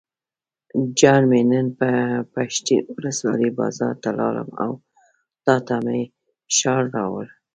جان مې نن پښتین ولسوالۍ بازار ته لاړم او تاته مې شال راوړل.